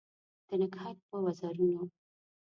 د نګهت په وزرونو